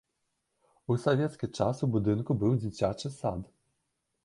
У савецкі час у будынку быў дзіцячы сад.